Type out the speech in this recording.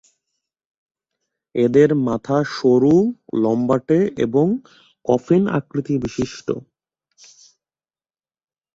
এদের মাথা সরু, লম্বাটে এবং কফিন-আকৃতিবিশিষ্ট।